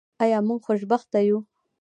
آیا موږ خوشبخته یو؟